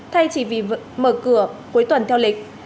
thay chỉ vì mở cửa cuối tuần theo lịch